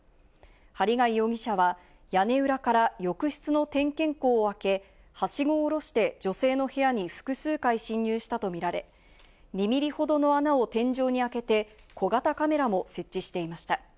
針谷容疑者は屋根裏から浴室から点検口を開け、はしごを下ろして女性の部屋に複数回侵入したとみられ、２ミリほどの穴を天井に開けて小型カメラも設置していました。